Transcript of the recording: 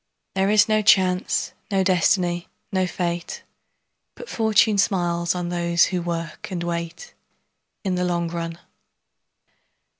There is no Chance, no Destiny, no Fate, But Fortune smiles on those who work and wait, In the long run.